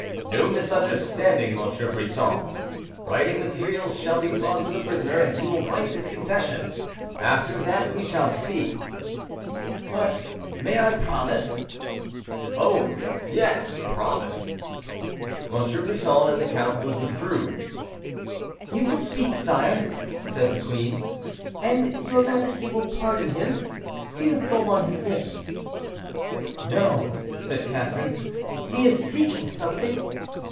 "No misunderstanding, M. Brisson. Writing materials shall be brought to the prisoner, and he will write his confessions; after that we shall see." "But I may promise?" "Oh! yes, promise." M. Brisson and the councilors withdrew. "He will speak, sire," said the queen; "and your majesty will pardon him. See the foam on his lips." "No," said Catherine; "he is seeking something.